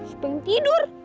apa yang tidur